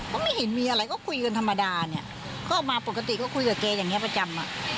ก็ไม่เห็นมีอะไรก็คุยกันธรรมดาเนี่ยก็มาปกติก็คุยกับแกอย่างนี้ประจำอ่ะ